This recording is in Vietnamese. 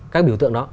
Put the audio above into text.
các biểu tượng đó